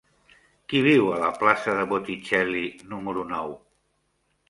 Qui viu a la plaça de Botticelli número nou?